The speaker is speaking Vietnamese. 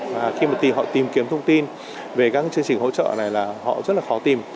và khi mà họ tìm kiếm thông tin về các chương trình hỗ trợ này là họ rất là khó tìm